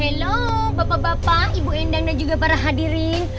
halo bapak bapak ibu endang dan juga para hadirin